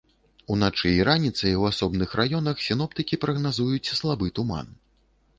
Уначы і раніцай у асобных раёнах сіноптыкі прагназуюць слабы туман.